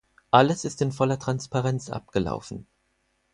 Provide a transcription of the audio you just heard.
Alles ist in voller Transparenz abgelaufen.